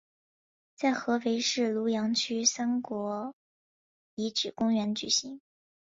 在合肥市庐阳区三国遗址公园举行。